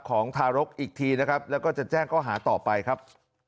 ทารกอีกทีนะครับแล้วก็จะแจ้งข้อหาต่อไปครับ